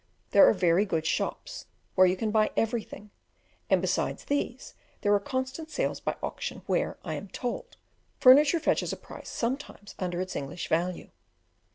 There are very good shops where you can buy everything, and besides these there are constant sales by auction where, I am told, furniture fetches a price sometimes under its English value.